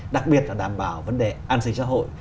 đặc biệt là đảm bảo vấn đề an sinh xã hội